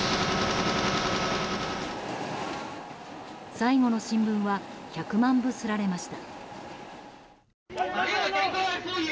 最後の新聞は１００万部刷られました。